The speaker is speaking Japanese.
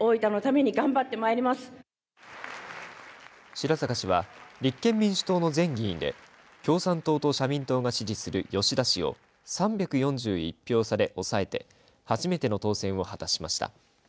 白坂氏は立憲民主党の前議員で共産党と社民党が支持する吉田氏を３４１票差で抑えて初めての当選を果たしました。